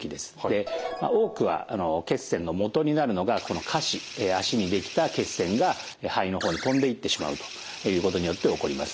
多くは血栓の元になるのがこの下肢脚にできた血栓が肺の方に飛んでいってしまうということによって起こります。